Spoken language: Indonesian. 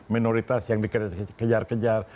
minoritas yang dikejar kejar